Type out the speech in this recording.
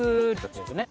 そうですね。